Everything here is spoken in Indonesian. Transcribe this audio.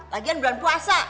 lagian bulan puasa